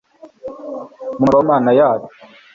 mu murwa w'imana yacu